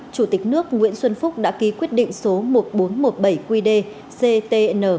chủ tịch nước nguyễn xuân phúc đã ký quyết định số một nghìn bốn trăm một mươi bảy qd ctn